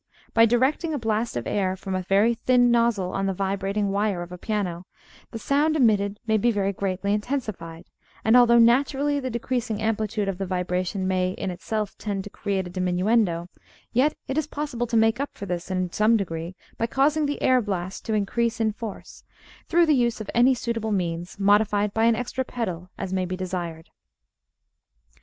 By directing a blast of air from a very thin nozzle on to the vibrating wire of a piano, the sound emitted may be very greatly intensified; and although naturally the decreasing amplitude of the vibration may in itself tend to create a diminuendo, yet it is possible to make up for this in some degree by causing the air blast to increase in force, through the use of any suitable means, modified by an extra pedal as may be desired.